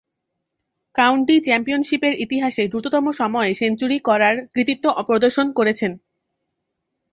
County চ্যাম্পিয়নশীপের ইতিহাসে দ্রুততম সময়ে সেঞ্চুরি করার কৃতিত্ব প্রদর্শন করেছেন।